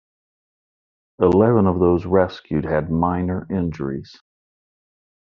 Eleven of those rescued had minor injuries.